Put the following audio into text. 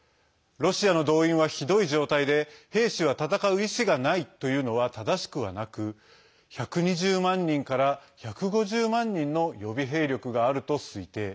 ロシアの動員は、ひどい状態で兵士は戦う意思がないというのは正しくはなく１２０万人から１５０万人の予備兵力があると推定。